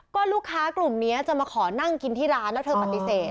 ก็ลูกค้ากลุ่มนี้จะมาขอนั่งกินที่ร้านแล้วเธอปฏิเสธ